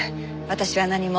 私は何も。